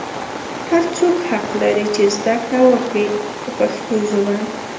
هر څوک حق لري چې زده کړه وکړي په پښتو ژبه.